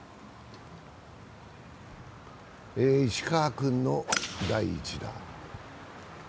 石川君の第１打。